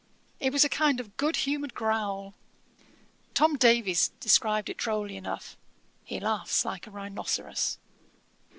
It was a kind of good humoured growl. Tom Davies described it drolly enough: 'He laughs like a rhinoceros.'